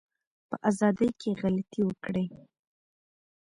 په ازادی کی غلطي وکړی